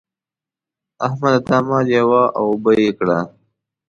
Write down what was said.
احمده! دا مال یوه او اوبه يې کړه.